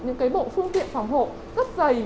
những bộ phương tiện phòng hộ rất dày